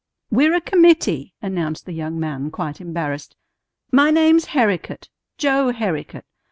"We're a committee," announced the young man, quite embarrassed. "My name's Herricote, Joe Herricote.